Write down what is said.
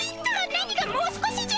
何が「もう少し」じゃ！